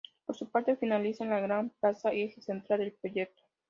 Por su parte finalizaría en la Gran Plaza, eje central del proyecto.